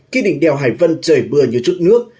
khi đỉnh đèo hải vân trời mưa như trước nước